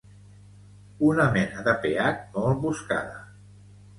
Una mena de pH molt buscada.